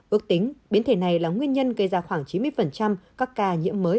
ước tính biến thể này là nguyên nhân gây ra khoảng chín mươi các ca nhiễm mới